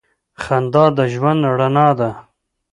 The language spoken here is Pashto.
• خندا د ژوند رڼا ده.